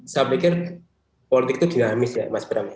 saya pikir politik itu dinamis ya mas bram